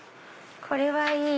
これはいい！